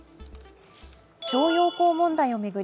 徴用工問題を巡り